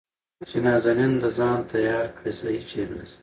چې نازنين د ځان تيار کړي زه هېچېرې نه ځم .